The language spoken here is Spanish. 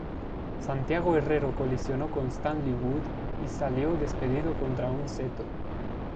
Santiago Herrero colisionó con Stanley Wood y salió despedido contra un seto.